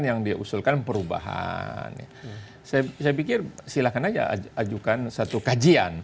ini adalah perubahan saya pikir silakan saja ajukan satu kajian